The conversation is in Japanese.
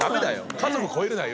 家族超えるなよ。